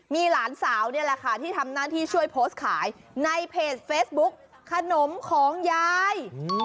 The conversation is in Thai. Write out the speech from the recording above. มีหลานสาวนี่แหละค่ะที่ทำหน้าที่ช่วยโพสต์ขายในเพจเฟซบุ๊กขนมของยาย